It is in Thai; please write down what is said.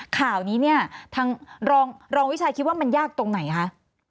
ข่าวนี้เนี่ยทางรองวิชัยคิดว่ามันยากตรงไหนคะ